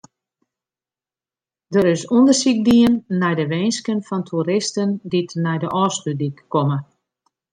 Der is ûndersyk dien nei de winsken fan toeristen dy't nei de Ofslútdyk komme.